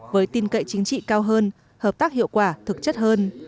với tin cậy chính trị cao hơn hợp tác hiệu quả thực chất hơn